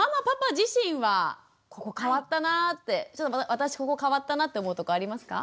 私ここ変わったなって思うとこありますか？